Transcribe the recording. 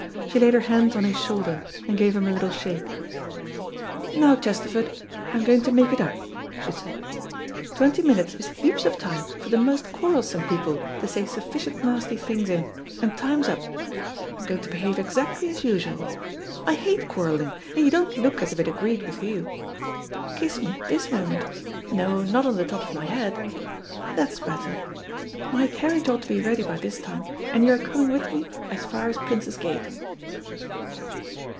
She laid her hands on his shoulder, and gave him a little shake. "Now, Chesterford, I'm going to make it up," she said. "Twenty minutes is heaps of time for the most quarrelsome people to say sufficient nasty things in, and time's up. I'm going to behave exactly as usual. I hate quarrelling, and you don't look as if it agreed with you. Kiss me this moment. No, not on the top of my head. That's better. My carriage ought to be ready by this time, and you are coming with me as far as Prince's Gate."